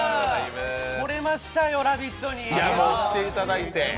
来れましたよ、「ラヴィット！」に。